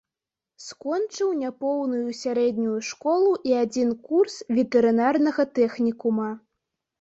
Скончыў няпоўную сярэднюю школу і адзін курс ветэрынарнага тэхнікума.